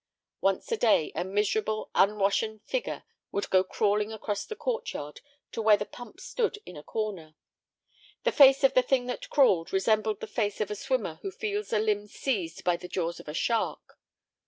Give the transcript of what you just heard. Once a day a miserable, unwashen figure would go crawling across the court yard to where the pump stood in a corner. The face of the thing that crawled resembled the face of a swimmer who feels a limb seized by the jaws of a shark.